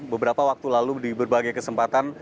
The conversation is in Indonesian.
beberapa waktu lalu di berbagai kesempatan